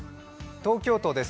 東京都です。